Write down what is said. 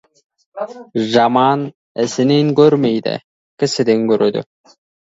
Жаман ісінен көрмейді, кісіден көреді.